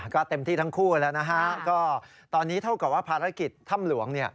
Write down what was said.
ก็เต็มที่ทั้งคู่แล้วนะฮะก็ตอนนี้เท่ากับว่าภารกิจถ้ำหลวงเนี่ย